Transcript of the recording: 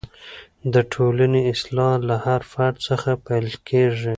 د ټولنې اصلاح له هر فرد څخه پیل کېږي.